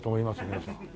皆さん。